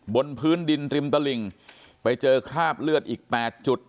บนพื้นดินริมตลิ่งไปเจอคราบเลือดอีก๘จุด